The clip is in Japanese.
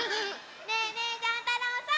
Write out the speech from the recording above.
ねえねえジャン太郎さん！